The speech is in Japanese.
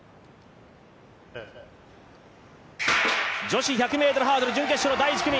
女子１００ｍハードルの準決勝の第１組。